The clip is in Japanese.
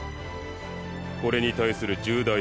これに対する重大違反だ。